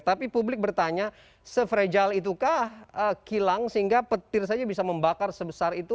tapi publik bertanya se fragile itukah kilang sehingga petir saja bisa membakar sebesar itu